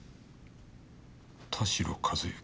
「田代和行。